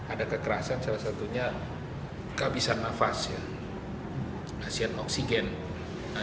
ada kekerasan salah satunya kehabisan nafas hasil oksigen ada demikian